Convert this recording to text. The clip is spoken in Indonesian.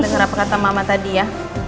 dengar apa kata mama tadi ya